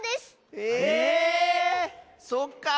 え⁉そっかあ。